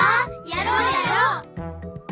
やろうやろう！